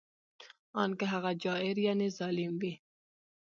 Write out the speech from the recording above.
ان که هغه جائر یعنې ظالم وي